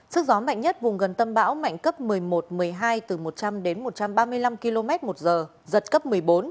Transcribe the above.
sức gió mạnh nhất vùng gần tâm bão mạnh cấp một mươi một một mươi hai từ một trăm linh đến một trăm ba mươi năm km một giờ giật cấp một mươi bốn